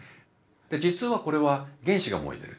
実はこれは原子が燃えてる。